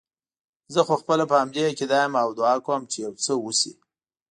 زه خو خپله په همدې عقیده یم او دعا کوم چې یو څه وشي.